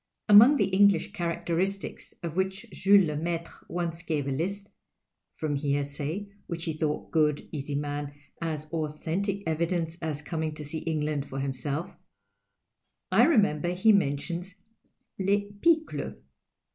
Among the English characteristics of which Jules Lcniaitre once gave a list (from hearsay, which he thought, good, easy man, as authentic evidence as coming to see England for himself) I remember he mentions " Les pickles.